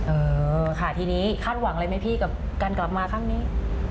เออค่ะทีนี้คาดหวังอะไรไหมพี่กับการกลับมาครั้งนี้